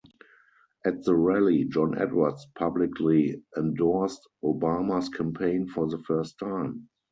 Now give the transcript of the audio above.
At the rally, John Edwards publicly endorsed Obama's campaign for the first time.